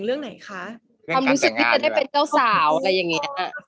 เป็นเจ้าสาวอะไรอย่างนี้